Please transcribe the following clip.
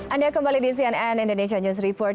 anda kembali di cnn indonesia news report